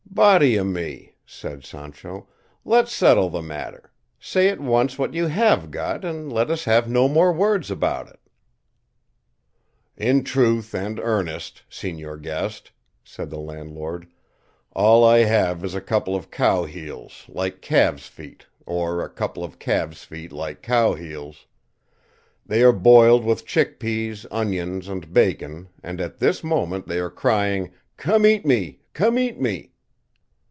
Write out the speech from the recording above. "Body o' me!" said Sancho, "let's settle the matter; say at once what you have got, and let us have no more words about it." "In truth and earnest, señor guest," said the landlord, "all I have is a couple of cow heels like calves' feet, or a couple of calves' feet like cowheels; they are boiled with chick peas, onions, and bacon, and at this moment they are crying 'Come eat me, come eat me."